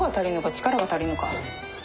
力が足りんのか？